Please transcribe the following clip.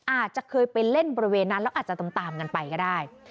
อาจจะเคยไปเล่นบริเวณนั้นแล้วอาจจะตามกันไปก็ได้